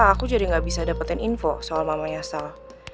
aku jadi gak bisa dapetin info soal mamanya sel